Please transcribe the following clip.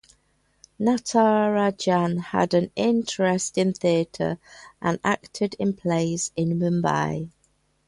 Natarajan had an interest in theatre and acted in plays in Mumbai.